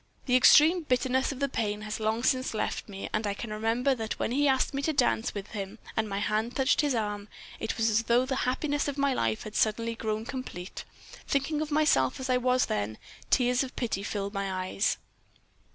The extreme bitterness of the pain has long since left me, and I can remember that when he asked me to dance with him, and my hand touched his arm, it was as though the happiness of my life had suddenly grown complete. Thinking of myself as I was then, tears of pity fill my eyes.